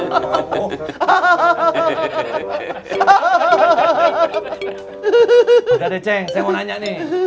udah deh cek saya mau nanya nih